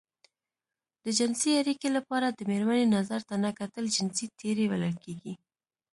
د جنسي اړيکې لپاره د مېرمنې نظر ته نه کتل جنسي تېری بلل کېږي.